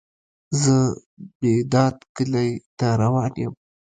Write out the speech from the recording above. زه بیداد کلی ته روان یم.